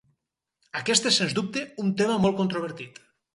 Aquest és sens dubte, un tema molt controvertit.